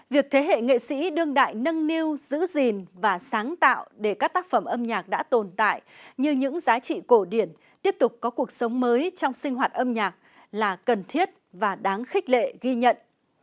việc thế hệ nghệ sĩ đương đại nâng niu giữ gìn và sáng tạo để các tác phẩm âm nhạc đã tồn tại như những giá trị cổ điển tiếp tục có cuộc sống mới trong sinh hoạt âm nhạc là cần thiết và đáng khích lệ ghi nhận